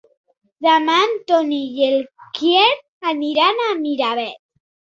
Demà en Ton i en Quer aniran a Miravet.